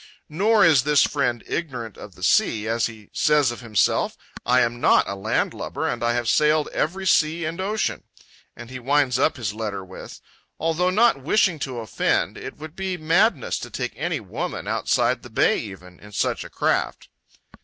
Nor is this friend ignorant of the sea. As he says of himself, "I am not a land lubber, and I have sailed every sea and ocean." And he winds up his letter with: "Although not wishing to offend, it would be madness to take any woman outside the bay even, in such a craft."